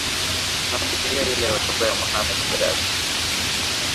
nafikiria ile hotuba ya mohamed gaddafi